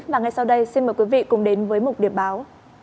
và ngay sau đây xin mời quý vị cùng đến với mục điểm báo